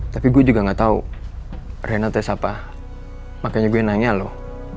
tapi gue juga gak tahu renat tes apa makanya gue nanya loh